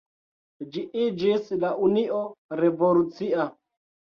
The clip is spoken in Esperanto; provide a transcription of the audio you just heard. Ĝi iĝis la Unio Revolucia.